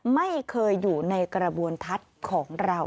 ไม่เคยอยู่ในกระบวนทัศน์ของเรา